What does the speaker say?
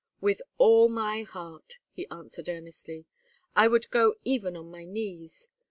"With all my heart," he answered, earnestly. "I would go even on my knees.